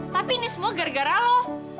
tapi ini semua gara gara loh